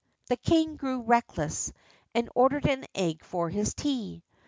The king grew reckless, and ordered an egg for his tea.